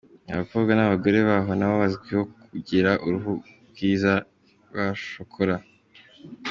Abakobwa n’abagore baho nabo bazwiho kugira uruhu rwiza rwa shokora.